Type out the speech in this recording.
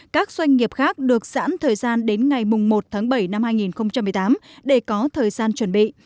các doanh nghiệp khác được giãn thời gian đến ngày một tháng bảy năm hai nghìn một mươi tám để có thời gian chuẩn bị